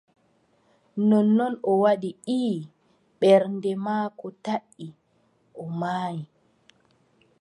Nonnon o waɗi :« ii » ɓernde maako taʼi o maayi.